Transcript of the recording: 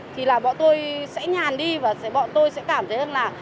thì là bọn tôi sẽ nhàn đi và tôi sẽ cảm thấy là